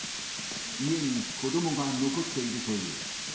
家に子どもが残っているという。